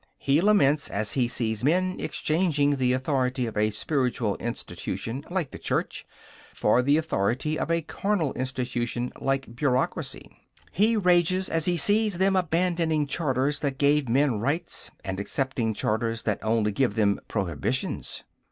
He laments as he sees men exchanging the authority of a spiritual institution, like the Church, for the authority a carnal institution, like a bureaucracy. He rages as he sees them abandoning charters that gave men rights, and accepting charters that only give them prohibitions.